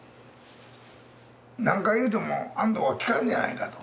何回言うても安藤は聞かんじゃないかと。